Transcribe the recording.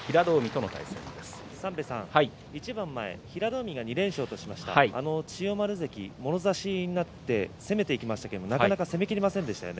平戸海が２連勝としましたが千代丸関は、もろ差しになって攻めていきましたがなかなか攻めきれませんでした。